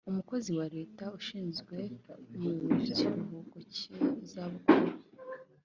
umukozi wa leta ushyizwe mu kiruhuko cy’izabukuru,